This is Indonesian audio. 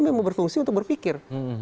memang berfungsi untuk berpikir